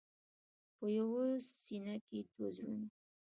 په یوه سینه کې دوه زړونه.